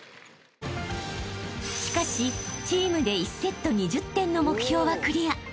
［しかしチームで１セット２０点の目標はクリア］